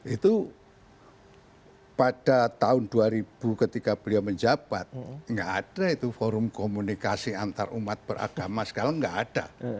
itu pada tahun dua ribu ketika beliau menjabat gak ada itu forum komunikasi antar umat beragama sekarang gak ada